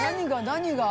何が？